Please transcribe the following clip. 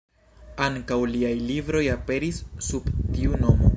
Ankaŭ liaj libroj aperis sub tiu nomo.